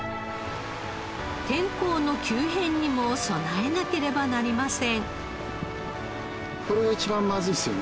天候の急変にも備えなければなりません。